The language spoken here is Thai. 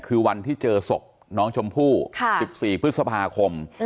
คือวันที่เจอศพน้องชมพู่๑๔พฤษภาคม